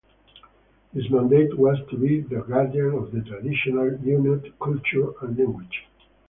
His mandate was to be the guardian of traditional Inuit culture and language.